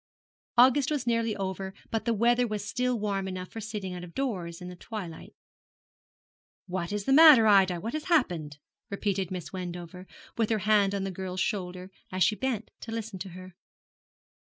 August was nearly over, but the weather was still warm enough for sitting out of doors in the twilight. 'What is the matter, Ida? What has happened?' repeated Miss Wendover, with her hand on the girl's shoulder, as she bent to listen to her.